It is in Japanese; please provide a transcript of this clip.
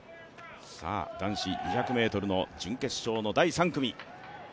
男子２００ｍの準決勝の第３組。